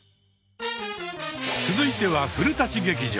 続いては「古劇場」。